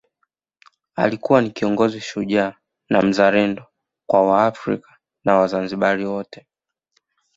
Alikuwa ni kiongozi shujaa na mzalendo kwa wa Afrika na wazanzibari wote